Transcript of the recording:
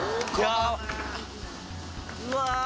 うわ！